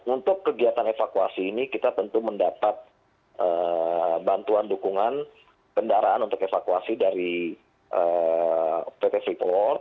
untuk kegiatan evakuasi ini kita tentu mendapat bantuan dukungan kendaraan untuk evakuasi dari pt freeport